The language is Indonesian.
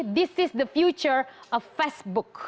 ini adalah masa depan facebook